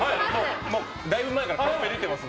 もうだいぶ前からカンペ出てます。